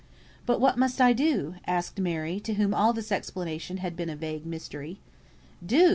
"But what must I do?" asked Mary, to whom all this explanation had been a vague mystery. "Do!"